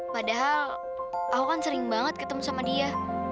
padahal aku kan sering banget ketemu sama dia